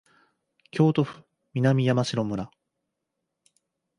京都府南山城村